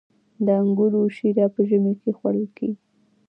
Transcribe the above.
د انګورو شیره په ژمي کې خوړل کیږي.